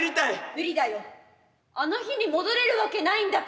無理だよあの日に戻れるわけないんだから。